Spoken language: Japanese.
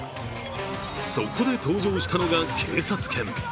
そこで登場したのが警察犬。